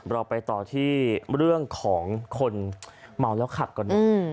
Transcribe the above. เราไปต่อที่เรื่องของคนเมาแล้วขับกันหน่อย